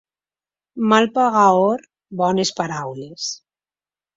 Mal pagador, bones paraules.